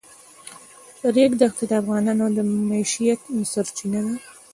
د ریګ دښتې د افغانانو د معیشت سرچینه ده.